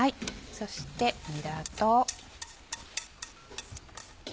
そしてにらと。